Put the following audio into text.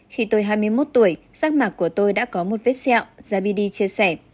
khi tôi hai mươi một tuổi sắc mạc của tôi đã có một vết xẹo jabidi chia sẻ